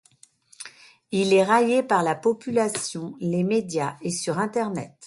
Il est raillé par la population, les médias et sur Internet.